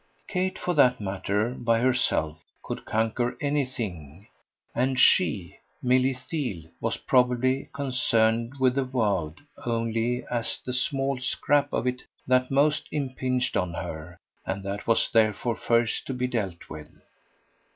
Kate, for that matter, by herself, could conquer anything, and SHE, Milly Theale, was probably concerned with the "world" only as the small scrap of it that most impinged on her and that was therefore first to be dealt with.